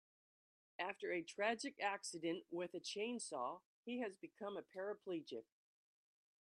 After a tragic accident with a chainsaw he has become a paraplegic.